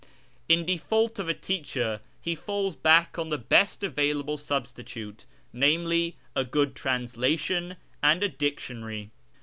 In default of a teacher, he falls back on the best available substitute, namely, a good translation and a dictionary.